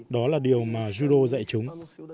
đó là điều mà judo dạy chúng